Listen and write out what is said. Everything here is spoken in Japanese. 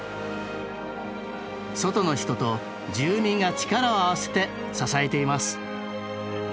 外の人と住民が力を合わせて支えています。